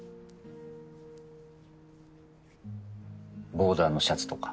ボーダーのシャツとか。